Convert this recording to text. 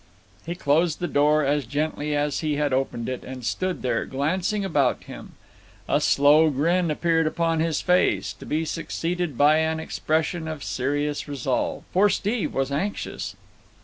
He closed the door as gently as he had opened it, and stood there glancing about him. A slow grin appeared upon his face, to be succeeded by an expression of serious resolve. For Steve was anxious.